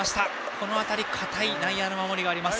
この辺り堅い内野の守りがあります。